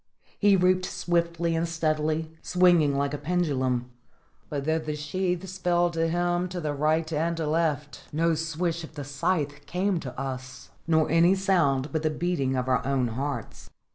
He reaped swiftly and steadily, swinging like a pendulum; but, though the sheaves fell to him right and left, no swish of the scythe came to us, nor any sound but the beating of our own hearts.